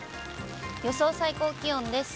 予想最高気温です。